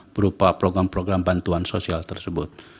berupa program program bantuan sosial tersebut